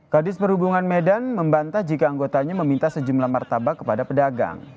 kadis perhubungan medan membantah jika anggotanya meminta sejumlah martabak kepada pedagang